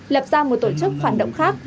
lập ra một tổ chức phản động khác